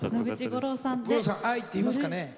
五郎さん「あい！」って言いますかね。